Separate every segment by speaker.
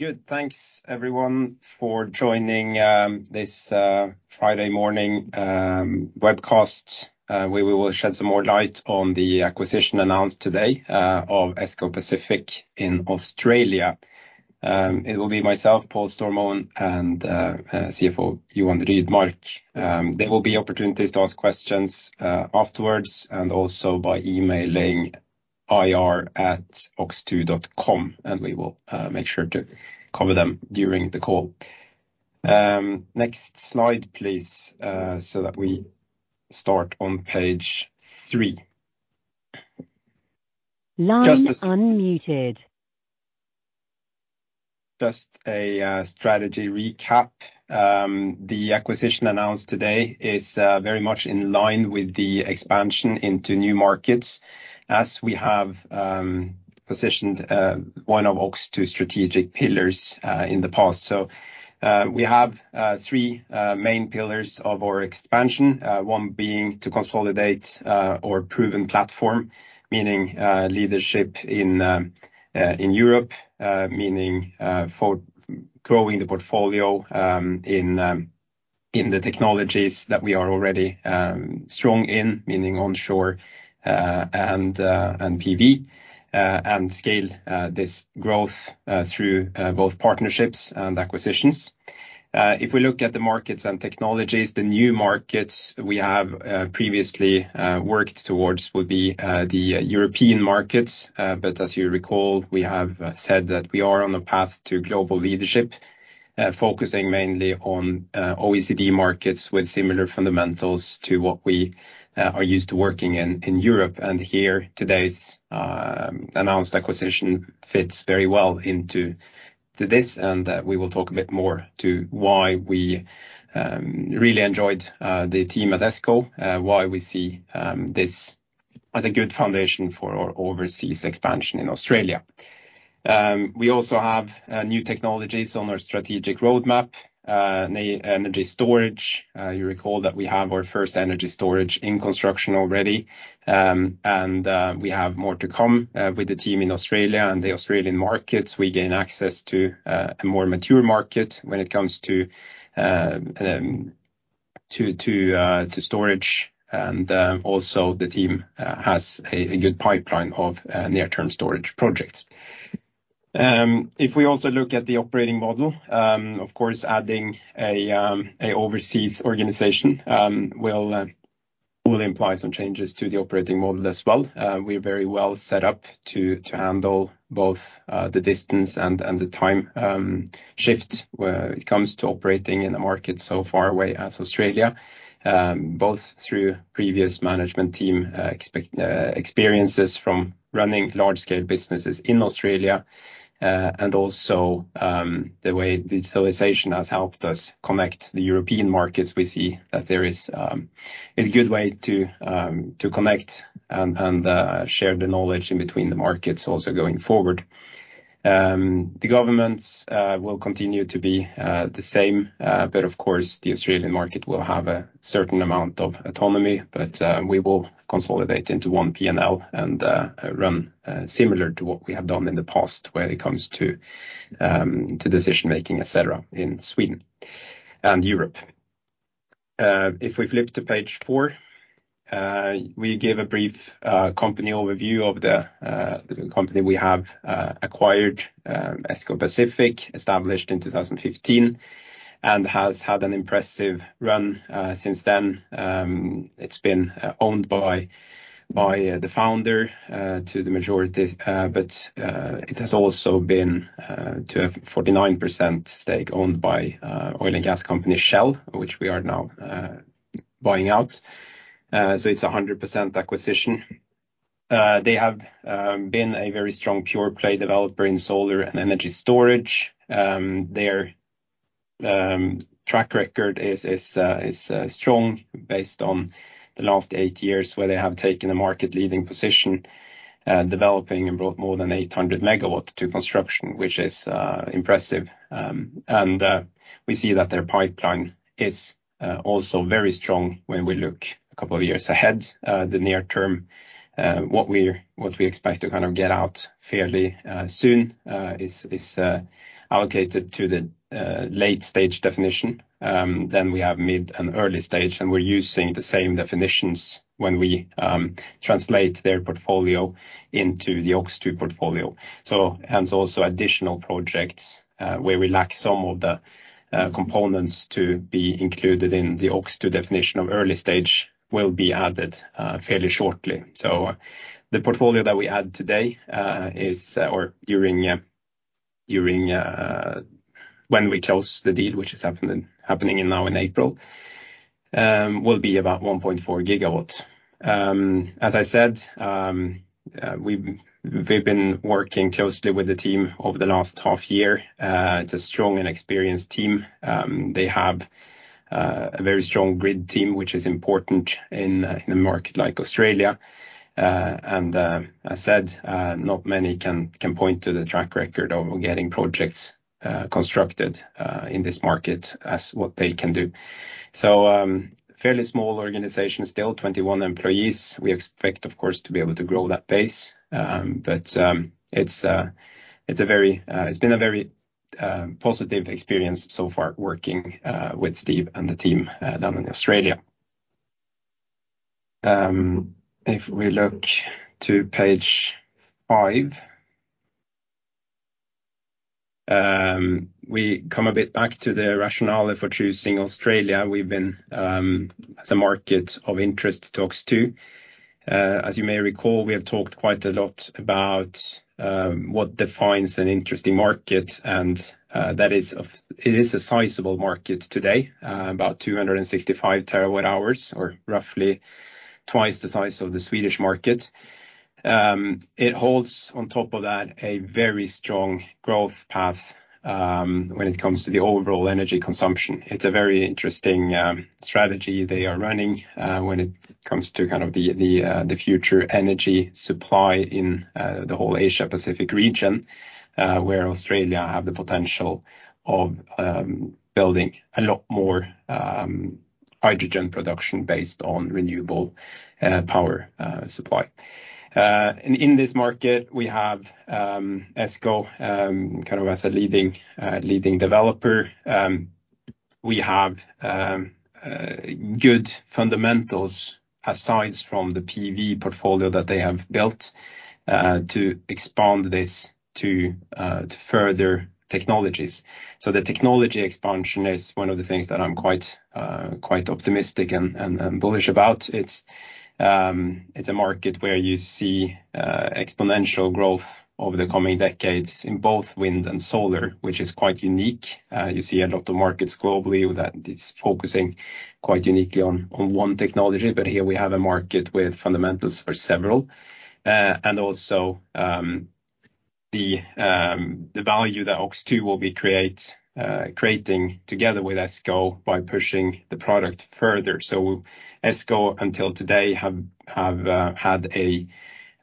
Speaker 1: Good. Thanks everyone for joining, this Friday morning webcast. Where we will shed some more light on the acquisition announced today, of ESCO Pacific in Australia. It will be myself, Paul Stormoen, and CFO Johan Rydmark. There will be opportunities to ask questions afterwards, and also by emailing ir@ox2.com, and we will make sure to cover them during the call. Next slide, please, so that we start on page three.
Speaker 2: Line unmuted.
Speaker 1: Just a strategy recap. The acquisition announced today is very much in line with the expansion into new markets as we have positioned one of OX2's strategic pillars in the past. We have three main pillars of our expansion. One being to consolidate our proven platform, meaning leadership in Europe. Meaning for growing the portfolio in the technologies that we are already strong in, meaning onshore and PV. Scale this growth through both partnerships and acquisitions. If we look at the markets and technologies, the new markets we have previously worked towards would be the European markets. As you recall, we have said that we are on a path to global leadership, focusing mainly on OECD markets with similar fundamentals to what we are used to working in Europe. Here, today's announced acquisition fits very well into to this. We will talk a bit more to why we really enjoyed the team at ESCO, why we see this as a good foundation for our overseas expansion in Australia. We also have new technologies on our strategic roadmap. The energy storage, you recall that we have our first energy storage in construction already. We have more to come with the team in Australia and the Australian markets. We gain access to a more mature market when it comes to storage. Also the team has a good pipeline of near-term energy storage projects. If we also look at the operating model, of course, adding a overseas organization will imply some changes to the operating model as well. We're very well set up to handle both the distance and the time shift where it comes to operating in a market so far away as Australia, both through previous management team experiences from running large scale businesses in Australia, and also the way digitalization has helped us connect the European markets. We see that there is a good way to connect and share the knowledge in between the markets also going forward. The governments will continue to be the same, but of course, the Australian market will have a certain amount of autonomy. We will consolidate into one P&L and run similar to what we have done in the past when it comes to decision-making, et cetera, in Sweden and Europe. If we flip to page four, we give a brief company overview of the company we have acquired, ESCO Pacific, established in 2015, and has had an impressive run since then. It's been owned by the founder to the majority, but it has also been to a 49% stake owned by oil and gas company, Shell, which we are now buying out. It's a 100% acquisition. They have been a very strong pure play developer in solar and energy storage. Their track record is strong based on the last eight years where they have taken a market-leading position, developing and brought more than 800 megawatts to construction, which is impressive. We see that their pipeline is also very strong when we look a couple of years ahead. The near term, what we expect to kind of get out fairly soon, is allocated to the late stage definition. We have mid and early stage, we're using the same definitions when we translate their portfolio into the OX2 portfolio. Hence also additional projects, where we lack some of the components to be included in the OX2 definition of early stage will be added fairly shortly. The portfolio that we add today, is, or during, when we close the deal, which is happening now in April, will be about 1.4 GW. As I said, we've been working closely with the team over the last half year. It's a strong and experienced team. They have a very strong grid team, which is important in a market like Australia. And, as I said, not many can point to the track record of getting projects constructed in this market as what they can do. Fairly small organization, still 21 employees. We expect, of course, to be able to grow that base. It's a very, it's been a very positive experience so far working with Steve and the team down in Australia. If we look to page five. We come a bit back to the rationale for choosing Australia. We've been as a market of interest OX2. As you may recall, we have talked quite a lot about what defines an interesting market and that is it is a sizable market today, about 265 terawatt-hours or roughly twice the size of the Swedish market. It holds on top of that a very strong growth path when it comes to the overall energy consumption. It's a very interesting strategy they are running when it comes to kind of the future energy supply in the whole Asia-Pacific region, where Australia have the potential of building a lot more hydrogen production based on renewable power supply. In this market, we have ESCO kind of as a leading developer. We have good fundamentals asides from the PV portfolio that they have built to expand this to further technologies. The technology expansion is one of the things that I'm quite optimistic and bullish about. It's a market where you see exponential growth over the coming decades in both wind and solar, which is quite unique. You see a lot of markets globally that it's focusing quite uniquely on one technology, but here we have a market with fundamentals for several. Also, the value that OX2 will be creating together with ESCO by pushing the product further. ESCO until today have had a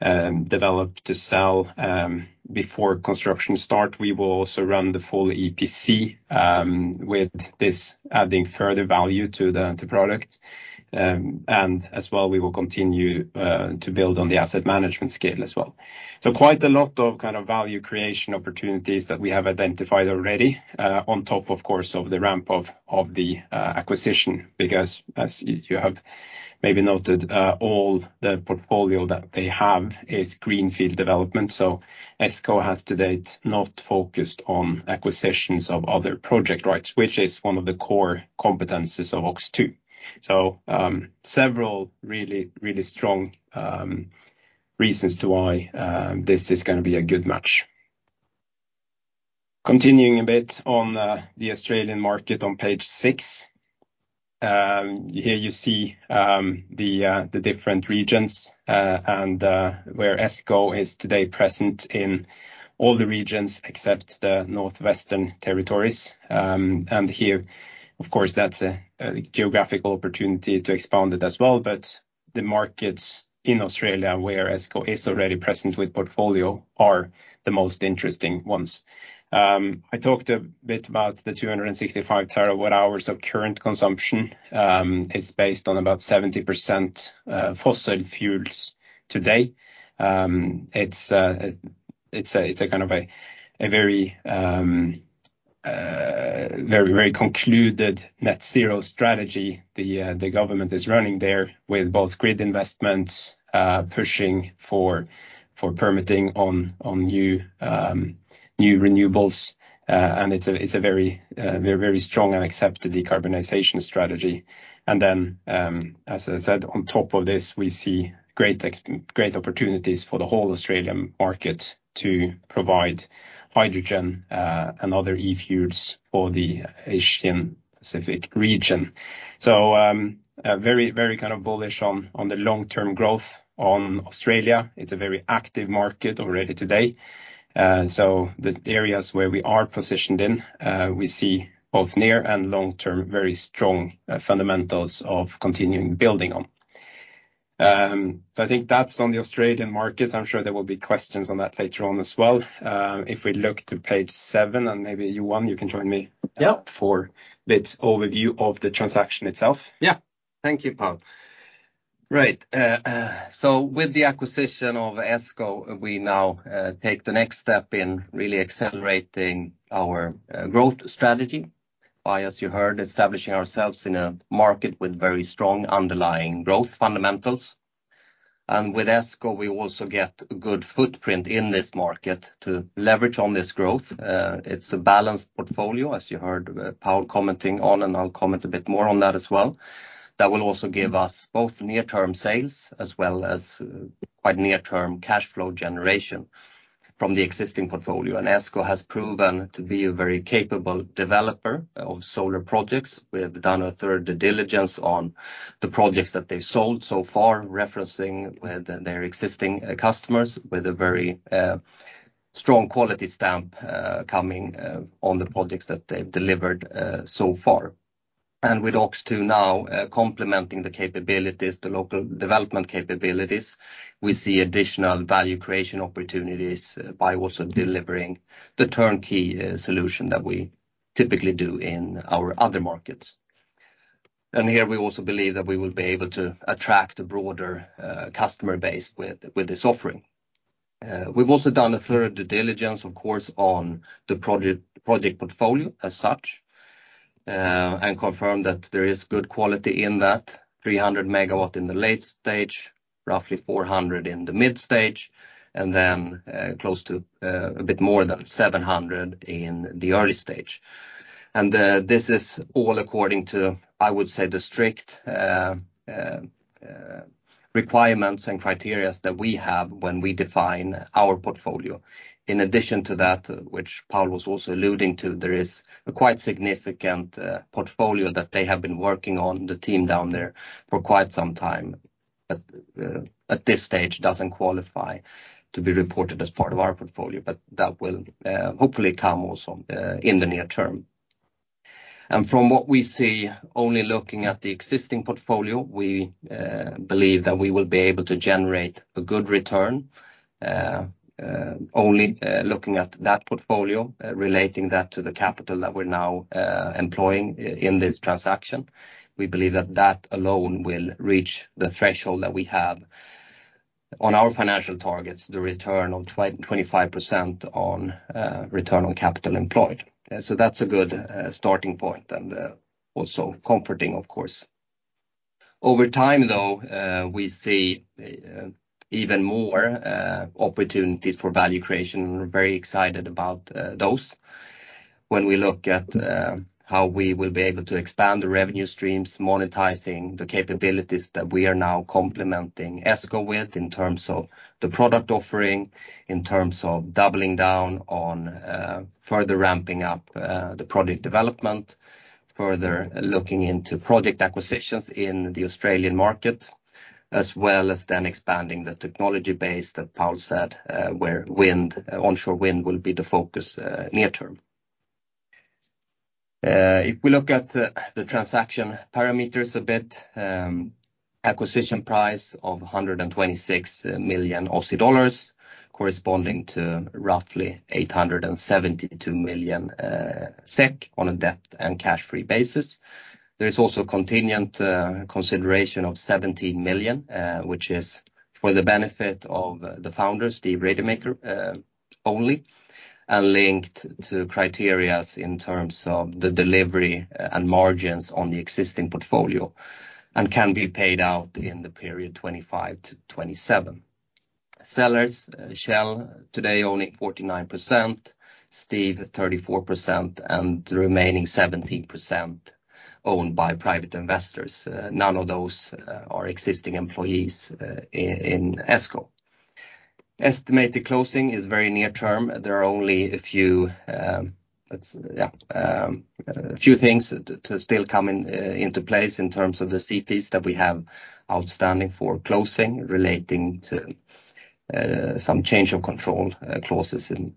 Speaker 1: develop to sell before construction start. We will also run the full EPC with this adding further value to the product. As well, we will continue to build on the asset management scale as well. Quite a lot of kind of value creation opportunities that we have identified already on top, of course, of the ramp of the acquisition. As you have maybe noted, all the portfolio that they have is greenfield development. ESCO has to date not focused on acquisitions of other project rights, which is one of the core competencies of OX2. Several really strong reasons to why this is gonna be a good match. Continuing a bit on the Australian market on page six. Here you see the different regions and where ESCO is today present in all the regions except the Northern Territory. And here, of course, that's a geographical opportunity to expand it as well. The markets in Australia where ESCO is already present with portfolio are the most interesting ones. I talked a bit about the 265 terawatt-hours of current consumption. It's based on about 70% fossil fuels today. It's a kind of a very concluded net zero strategy the government is running there with both grid investments, pushing for permitting on new renewables. And it's a very strong and accepted decarbonization strategy. And then, as I said, on top of this, we see great opportunities for the whole Australian market to provide hydrogen, and other e-fuels for the Asian-Pacific region. Very kind of bullish on the long-term growth on Australia. It's a very active market already today. The areas where we are positioned in, we see both near and long-term, very strong fundamentals of continuing building on. I think that's on the Australian markets. I'm sure there will be questions on that later on as well. If we look to page seven, maybe you, Johan, you can join me.
Speaker 3: Yep.
Speaker 1: For a bit overview of the transaction itself.
Speaker 3: Yeah. Thank you, Paul. Right. With the acquisition of ESCO, we now take the next step in really accelerating our growth strategy by, as you heard, establishing ourselves in a market with very strong underlying growth fundamentals. With ESCO, we also get good footprint in this market to leverage on this growth. It's a balanced portfolio, as you heard, Paul commenting on, and I'll comment a bit more on that as well. That will also give us both near-term sales as well as quite near-term cash flow generation from the existing portfolio. ESCO has proven to be a very capable developer of solar projects. We have done a third due diligence on the projects that they've sold so far, referencing their existing customers with a very strong quality stamp coming on the projects that they've delivered so far. With OX2 now complementing the capabilities, the local development capabilities, we see additional value creation opportunities by also delivering the turnkey solution that we typically do in our other markets. Here we also believe that we will be able to attract a broader customer base with this offering. We've also done a thorough due diligence, of course, on the project portfolio as such, and confirmed that there is good quality in that 300 MW in the late stage, roughly 400 MW in the mid stage, and then close to a bit more than 700 MW in the early stage. This is all according to, I would say, the strict requirements and criterias that we have when we define our portfolio. In addition to that, which Paul was also alluding to, there is a quite significant portfolio that they have been working on, the team down there, for quite some time, but at this stage, doesn't qualify to be reported as part of our portfolio. That will hopefully come also in the near term. From what we see, only looking at the existing portfolio, we believe that we will be able to generate a good return only looking at that portfolio relating that to the capital that we're now employing in this transaction. We believe that that alone will reach the threshold that we have on our financial targets, the return on 25% on return on capital employed. That's a good starting point and also comforting, of course. Over time, though, we see even more opportunities for value creation. We're very excited about those. When we look at how we will be able to expand the revenue streams, monetizing the capabilities that we are now complementing ESCO with in terms of the product offering, in terms of doubling down on further ramping up the product development, further looking into project acquisitions in the Australian market, as well as then expanding the technology base that Paul said, where wind, onshore wind will be the focus near term. If we look at the transaction parameters a bit, acquisition price of 126 million Aussie dollars corresponding to roughly 872 million SEK on a debt and cash-free basis. There is also a contingent consideration of 17 million, which is for the benefit of the founders, Steve Rademaker only, and linked to criterias in terms of the delivery and margins on the existing portfolio, and can be paid out in the period 2025 to 2027. Sellers, Shell today owning 49%, Steve 34%, and the remaining 17% owned by private investors. None of those are existing employees in ESCO. Estimated closing is very near term. There are only a few things to still come in into place in terms of the CPs that we have outstanding for closing relating to some change of control clauses and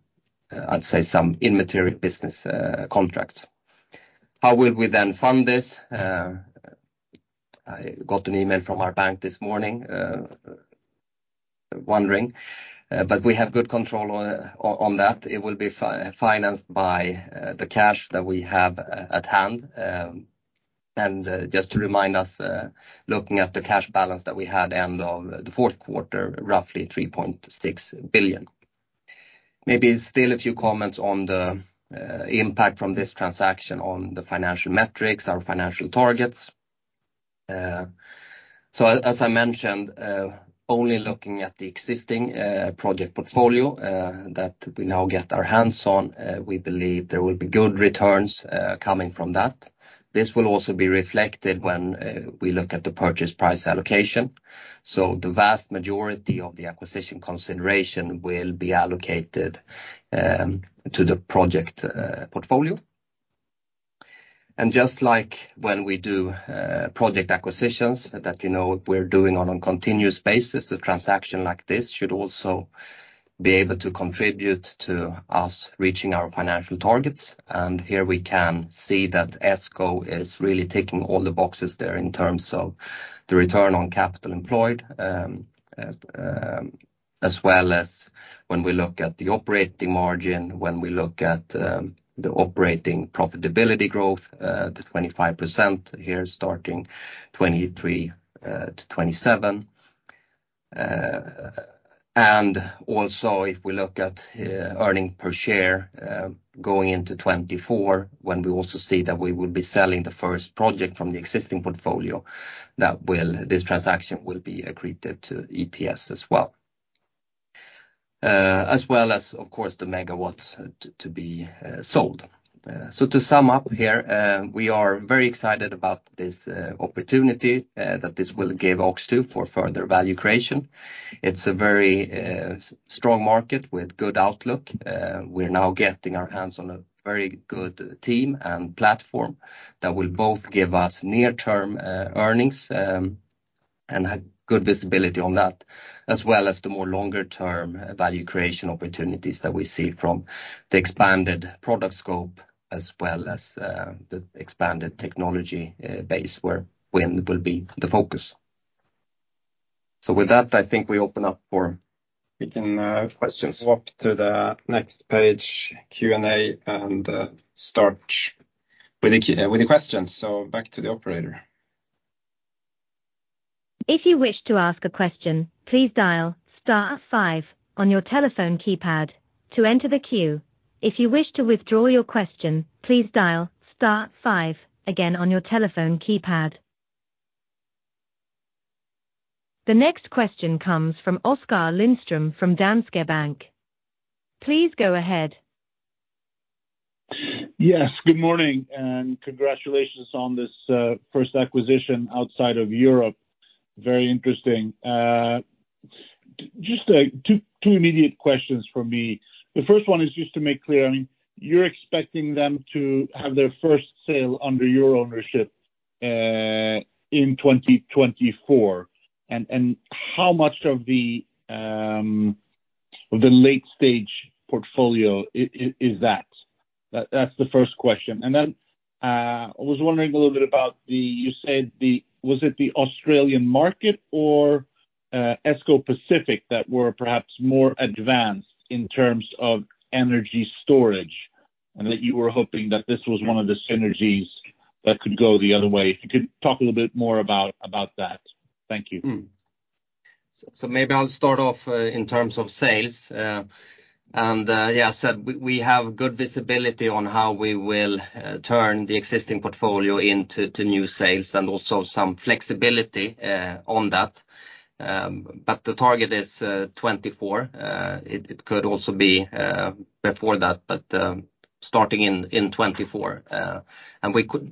Speaker 3: I'd say some immaterial business contracts. How will we then fund this? I got an email from our bank this morning, wondering. We have good control on that. It will be financed by the cash that we have at hand. Just to remind us, looking at the cash balance that we had end of the fourth quarter, roughly 3.6 billion. Maybe still a few comments on the impact from this transaction on the financial metrics, our financial targets. As I mentioned, only looking at the existing project portfolio that we now get our hands on, we believe there will be good returns coming from that. This will also be reflected when we look at the purchase price allocation. The vast majority of the acquisition consideration will be allocated to the project portfolio. Just like when we do project acquisitions that you know we're doing on a continuous basis, a transaction like this should also be able to contribute to us reaching our financial targets. Here we can see that ESCO is really ticking all the boxes there in terms of the return on capital employed, as well as when we look at the operating margin, when we look at the operating profitability growth, the 25% here starting 2023 to 2027. Also if we look at earning per share going into 2024, when we also see that we will be selling the first project from the existing portfolio, this transaction will be accreted to EPS as well. As well as, of course, the megawatts to be sold. To sum up here, we are very excited about this opportunity that this will give OX2 for further value creation. It's a very strong market with good outlook. We're now getting our hands on a very good team and platform that will both give us near-term earnings and have good visibility on that, as well as the more longer-term value creation opportunities that we see from the expanded product scope as well as the expanded technology base where wind will be the focus. With that, I think we open up.
Speaker 1: We can.
Speaker 3: Questions
Speaker 1: Swap to the next page, Q&A, and start with the questions. Back to the operator.
Speaker 2: If you wish to ask a question, please dial star five on your telephone keypad to enter the queue. If you wish to withdraw your question, please dial star five again on your telephone keypad. The next question comes from Oskar Lindström from Danske Bank. Please go ahead.
Speaker 4: Yes, good morning, and congratulations on this first acquisition outside of Europe. Very interesting. Just two immediate questions from me. The first one is just to make clear, I mean, you're expecting them to have their first sale under your ownership in 2024. How much of the of the late stage portfolio is that? That's the first question. I was wondering a little bit about the. You said, was it the Australian market or ESCO Pacific that were perhaps more advanced in terms of energy storage, and that you were hoping that this was one of the synergies that could go the other way? If you could talk a little bit more about that. Thank you.
Speaker 3: Maybe I'll start off in terms of sales. Yeah, we have good visibility on how we will turn the existing portfolio into, to new sales and also some flexibility on that. The target is 2024. It could also be before that, but starting in 2024.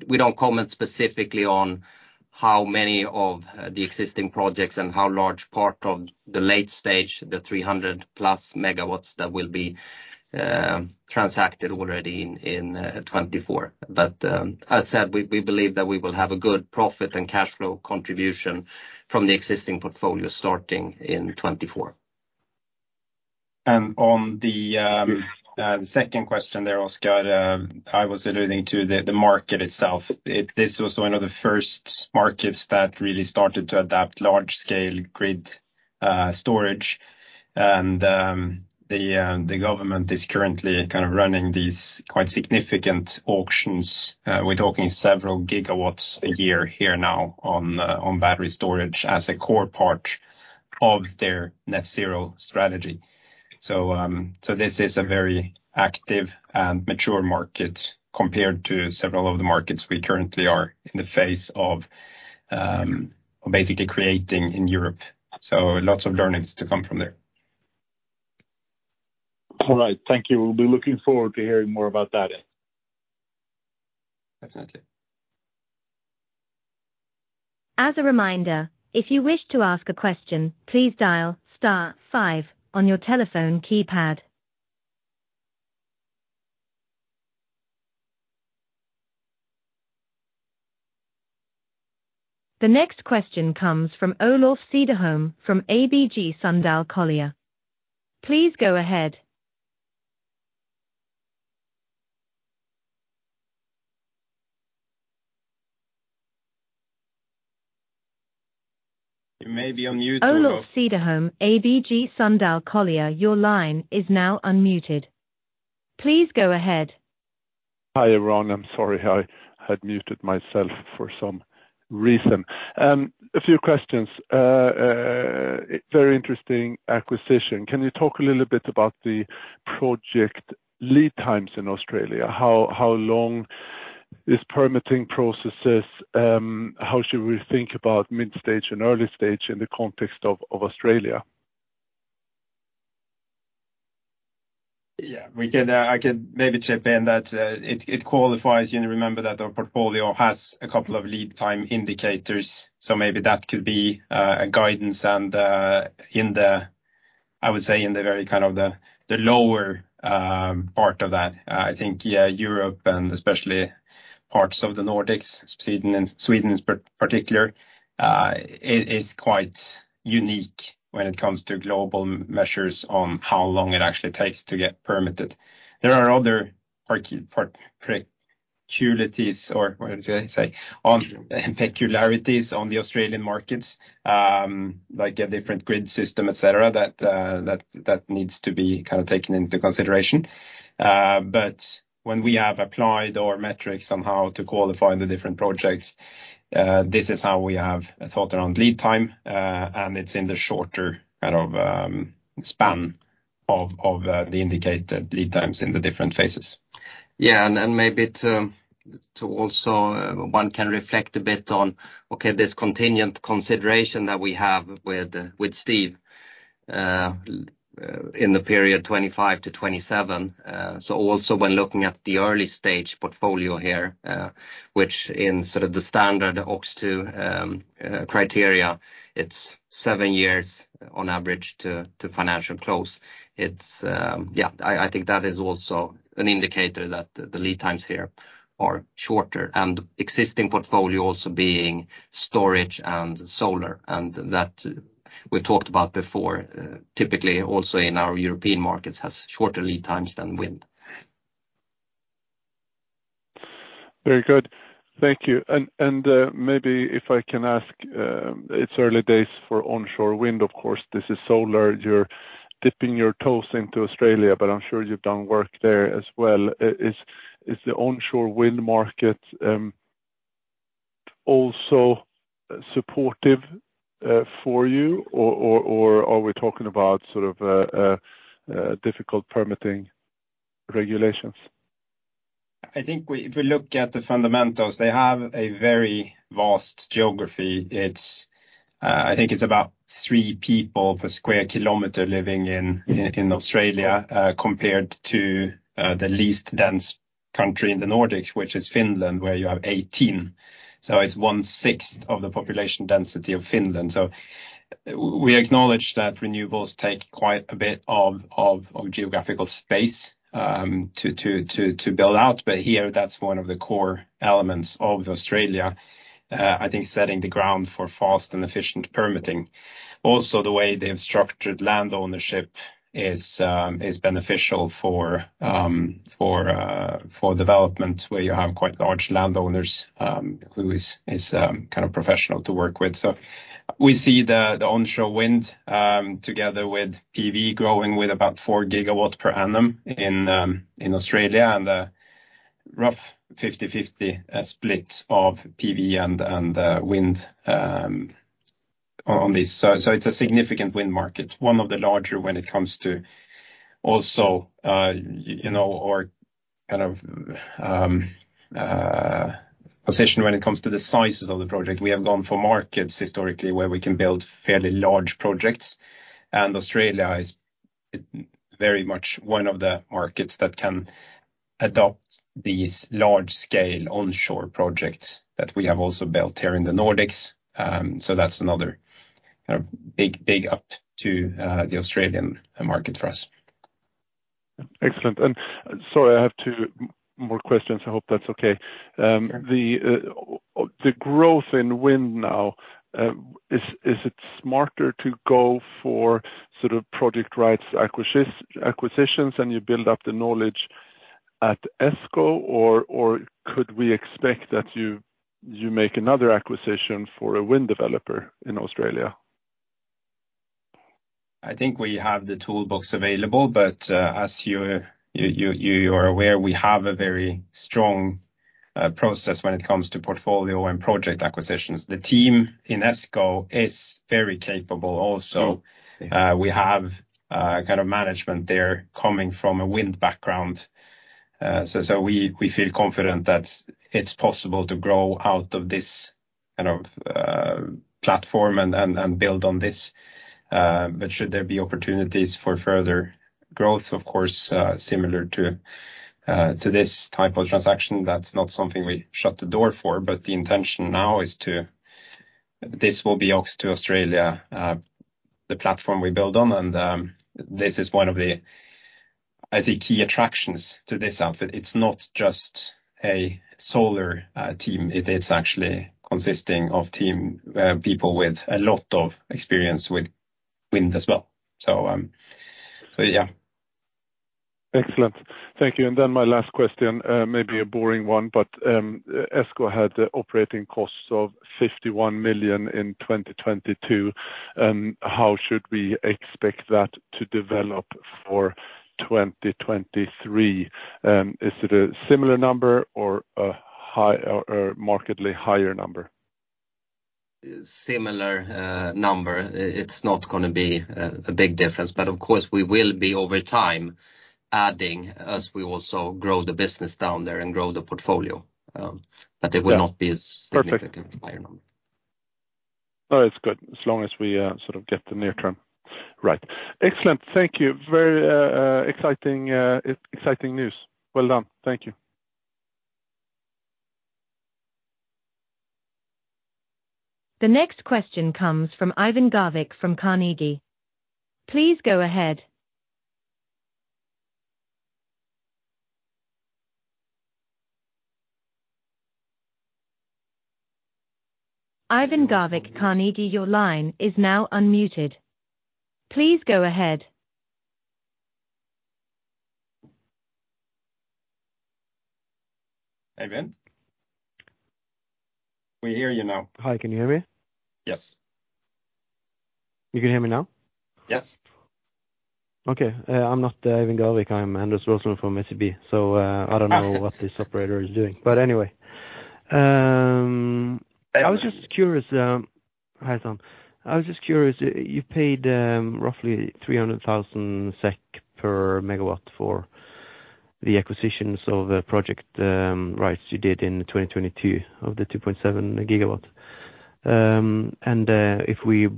Speaker 3: We don't comment specifically on how many of the existing projects and how large part of the late stage, the 300 MW+ that will be transacted already in 2024. As said, we believe that we will have a good profit and cash flow contribution from the existing portfolio starting in 2024.
Speaker 1: On the second question there, Oskar, I was alluding to the market itself. This was one of the first markets that really started to adapt large scale grid storage. And the government is currently kind of running these quite significant auctions. We're talking several gigawatts a year here now on battery storage as a core part of their net zero strategy. So this is a very active and mature market compared to several of the markets we currently are in the phase of basically creating in Europe. So lots of learnings to come from there.
Speaker 4: All right. Thank you. We'll be looking forward to hearing more about that.
Speaker 1: Definitely.
Speaker 2: As a reminder, if you wish to ask a question, please dial star five on your telephone keypad. The next question comes from Olof Cederholm from ABG Sundal Collier. Please go ahead.
Speaker 1: You may be on mute, Olof.
Speaker 2: Olof Cederholm, ABG Sundal Collier, your line is now unmuted. Please go ahead.
Speaker 5: Hi, everyone. I'm sorry I had muted myself for some reason. A few questions. Very interesting acquisition. Can you talk a little bit about the project lead times in Australia? How long is permitting processes? How should we think about mid-stage and early stage in the context of Australia?
Speaker 1: I can maybe chip in that it qualifies. You remember that our portfolio has a couple of lead time indicators, maybe that could be a guidance and in the, I would say, in the very kind of the lower part of that. I think, yeah, Europe and especially parts of the Nordics, Sweden in particular, is quite unique when it comes to global measures on how long it actually takes to get permitted. There are other peculiarities or what I say, on peculiarities on the Australian markets, like a different grid system, et cetera, that needs to be kind of taken into consideration. When we have applied our metrics somehow to qualify the different projects, this is how we have thought around lead time, and it's in the shorter kind of, span of, the indicated lead times in the different phases.
Speaker 3: Yeah. maybe to also one can reflect a bit on, okay, this contingent consideration that we have with Steve in the period 25 to 27. also when looking at the early stage portfolio here, which in sort of the standard OX2 criteria, it's seven years on average to financial close. It's yeah, I think that is also an indicator that the lead times here are shorter and existing portfolio also being storage and solar and that we've talked about before, typically also in our European markets has shorter lead times than wind.
Speaker 5: Very good. Thank you. Maybe if I can ask, it's early days for onshore wind, of course. This is solar. You're dipping your toes into Australia, but I'm sure you've done work there as well. Is the onshore wind market also supportive for you or are we talking about sort of a difficult permitting regulations?
Speaker 1: I think if we look at the fundamentals, they have a very vast geography. I think it's about three people per square kilometer living in Australia, compared to the least dense country in the Nordics, which is Finland, where you have 18. It's 1/6 of the population density of Finland. We acknowledge that renewables take quite a bit of geographical space to build out. Here that's one of the core elements of Australia. I think setting the ground for fast and efficient permitting. Also, the way they have structured land ownership is beneficial for development, where you have quite large landowners who is kind of professional to work with. We see the onshore wind, together with PV growing with about 4 GW per annum in Australia and a rough 50/50 split of PV and wind on this. It's a significant wind market, one of the larger when it comes to also, you know, or kind of position when it comes to the sizes of the project. We have gone for markets historically where we can build fairly large projects, and Australia is very much one of the markets that can adopt these large-scale onshore projects that we have also built here in the Nordics. That's another kind of big up to the Australian market for us.
Speaker 5: Excellent. Sorry, I have two more questions. I hope that's okay.
Speaker 1: Sure.
Speaker 5: The growth in wind now, is it smarter to go for sort of project rights acquisitions, and you build up the knowledge at ESCO, or could we expect that you make another acquisition for a wind developer in Australia?
Speaker 1: I think we have the toolbox available, but as you are aware, we have a very strong process when it comes to portfolio and project acquisitions. The team in ESCO is very capable also. We have kind of management there coming from a wind background. We feel confident that it's possible to grow out of this kind of platform and build on this. Should there be opportunities for further growth, of course, similar to this type of transaction, that's not something we shut the door for. The intention now is this will be OX2 Australia, the platform we build on. This is one of the, I say, key attractions to this outfit. It's not just a solar team. It is actually consisting of team, people with a lot of experience with wind as well. so yeah.
Speaker 5: Excellent. Thank you. My last question, may be a boring one, but, ESCO had operating costs of 51 million in 2022. How should we expect that to develop for 2023? Is it a similar number or a high or a markedly higher number?
Speaker 1: Similar number. It's not gonna be a big difference, but of course, we will be over time adding as we also grow the business down there and grow the portfolio, but it will not be significantly higher number.
Speaker 5: No, it's good as long as we, sort of get the near term right. Excellent. Thank you. Very, exciting news. Well done. Thank you.
Speaker 2: The next question comes from Eivind Garvik from Carnegie. Please go ahead. Eivind Garvik, Carnegie, your line is now unmuted. Please go ahead.
Speaker 1: Eivind? We hear you now.
Speaker 6: Hi, can you hear me?
Speaker 1: Yes.
Speaker 6: You can hear me now?
Speaker 1: Yes.
Speaker 6: I'm not Eivind Garvik. I'm Anders Rosenlund from SEB. I don't know what this operator is doing. I was just curious. Hi, Tom. I was just curious. You paid roughly 300,000 SEK per megawatt for the acquisitions of the project rights you did in 2022 of the 2.7 GW. If we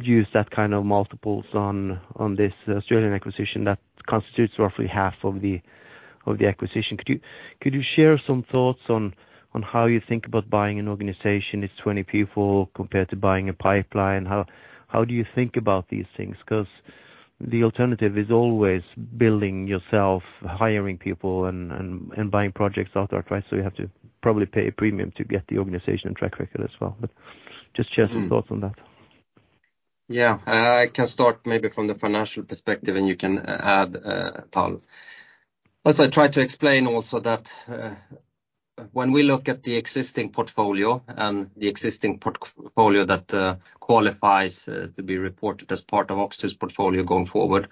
Speaker 6: use that kind of multiples on this Australian acquisition, that constitutes roughly half of the acquisition. Could you share some thoughts on how you think about buying an organization, its 20 people, compared to buying a pipeline? How do you think about these things? The alternative is always building yourself, hiring people and buying projects out there, right? You have to probably pay a premium to get the organization and track record as well. Just share some thoughts on that.
Speaker 3: I can start maybe from the financial perspective, and you can add, Paul. As I tried to explain also that, when we look at the existing portfolio and the existing portfolio that qualifies to be reported as part of OX2's portfolio going forward,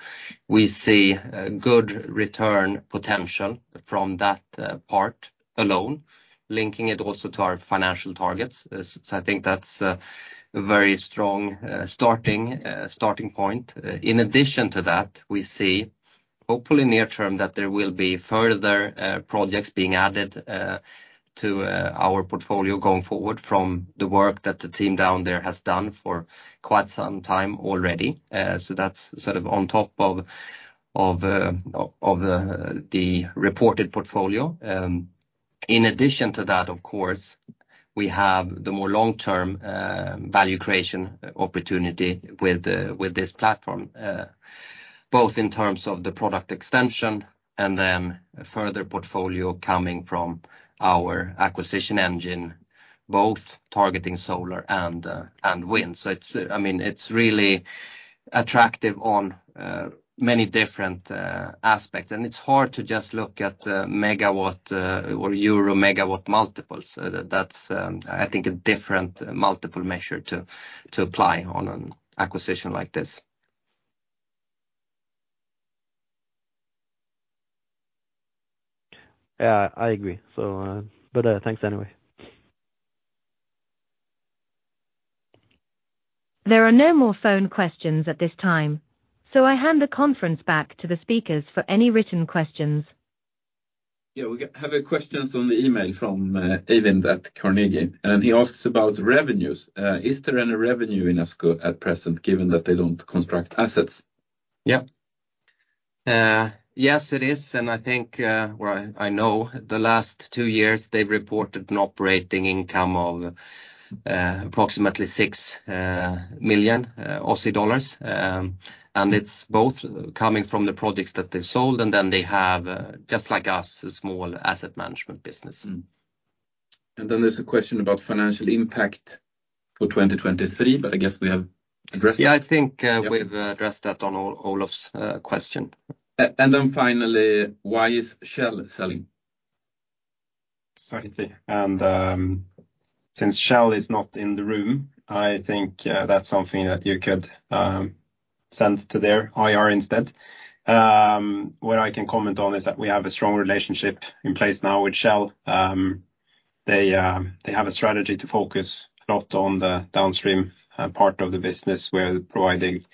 Speaker 3: we see a good return potential from that part alone, linking it also to our financial targets. I think that's a very strong starting point. In addition to that, we see, hopefully near term, that there will be further projects being added to our portfolio going forward from the work that the team down there has done for quite some time already. That's sort of on top of the reported portfolio. In addition to that, of course, we have the more long-term value creation opportunity with this platform, both in terms of the product extension and then further portfolio coming from our acquisition engine, both targeting solar and wind. I mean, it's really attractive on many different aspects, and it's hard to just look at the megawatt or EUR megawatt multiples. That's, I think, a different multiple measure to apply on an acquisition like this.
Speaker 6: Yeah, I agree. Thanks anyway.
Speaker 2: There are no more phone questions at this time, so I hand the conference back to the speakers for any written questions.
Speaker 1: We have questions on the email from Eivind at Carnegie. He asks about revenues. Is there any revenue in ESCO at present, given that they don't construct assets?
Speaker 3: Yeah. Yes, it is. I think, well, I know the last two years they've reported an operating income of approximately 6 million Aussie dollars. It's both coming from the projects that they've sold, and then they have, just like us, a small asset management business.
Speaker 1: There's a question about financial impact for 2023, but I guess we have addressed it.
Speaker 3: Yeah, I think, we've addressed that on Olof's question.
Speaker 1: Finally, why is Shell selling? Exactly. Since Shell is not in the room, I think that's something that you could send to their IR instead. What I can comment on is that we have a strong relationship in place now with Shell. They have a strategy to focus a lot on the downstream part of the business. We're providing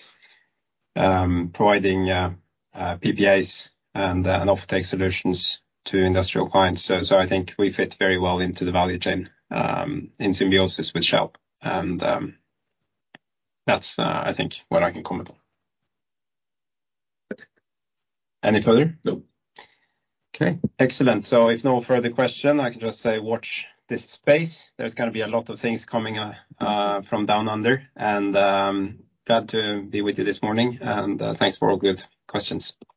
Speaker 1: PPAs and offtake solutions to industrial clients. I think we fit very well into the value chain in symbiosis with Shell. That's, I think, what I can comment on. Any further?
Speaker 3: No.
Speaker 1: Okay. Excellent. If no further question, I can just say watch this space. There's gonna be a lot of things coming from down under. Glad to be with you this morning, thanks for all good questions.
Speaker 3: Thank you.